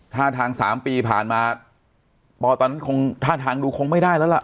ท่าทาง๓ปีผ่านมาปอตอนนั้นคงท่าทางดูคงไม่ได้แล้วล่ะ